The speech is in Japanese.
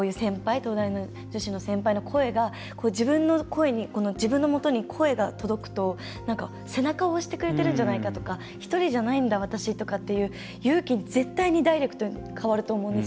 東大の女子の先輩に自分の声が、自分のもとに声が届くと、背中を押してくれてるんじゃないかとか１人じゃないんだ私という勇気に絶対変わると思うんです。